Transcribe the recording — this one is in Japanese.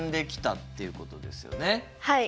はい。